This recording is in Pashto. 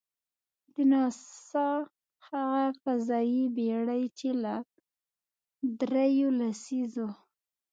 د ناسا هغه فضايي بېړۍ، چې له درېیو لسیزو .